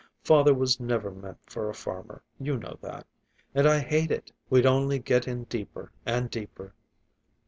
Father was never meant for a farmer, you know that. And I hate it. We'd only get in deeper and deeper."